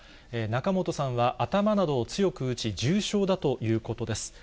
仲本さんは頭などを強く打ち、重傷だということです。